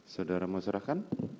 saudara mau serahkan